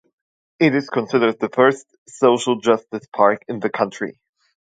It is considered the first social justice park in the country.